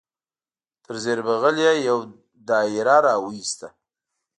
تر زیر بغل یې یو دایره را وایسته.